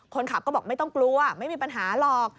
คนขับก็บอกไม่ต้องกลัวไม่มีปัญหาหรอก